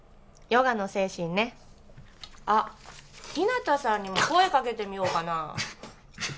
ヨガの精神ねあっ日向さんにも声かけてみようかな